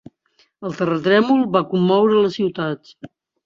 El terratrèmol va commoure la ciutat.